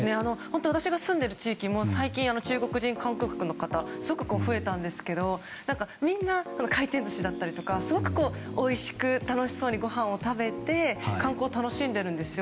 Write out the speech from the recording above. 私が住んでいる地域も中国人観光客の方すごく増えたんですけどみんな、回転寿司だったりとかすごくおいしく楽しそうにごはんを食べて観光を楽しんでいるんですよ。